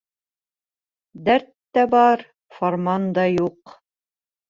Дәрттә бар, фарманда юҡ